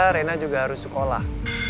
rina juga harus sekolah